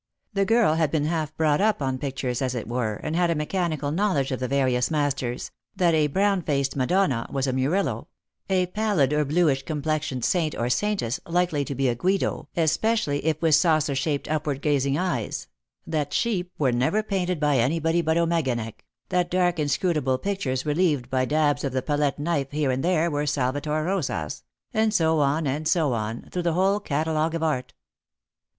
The girl had been half brought up on pictures, as it were, and had a mechanical knowledge of the various masters — that a brown faced Madonna was a Murillo ; a pallid or bluish complexioned saint or saintess likely to be a Guido, especially if with saucer shaped upward gazing eyes; that sheep were never painted by anybody but Ommeganek ; that dark inscrutable pictures relieved by dabs of the palette knife here and there were Salvator Rosas ; and bo on, <md so on, through the whole catalogue of art.